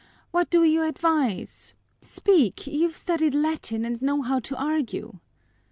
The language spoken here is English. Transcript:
What do you advise? Speak, you've studied Latin and know how to argue."